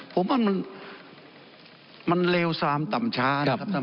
ผมว่ามันเลวซามต่ำช้านะครับท่าน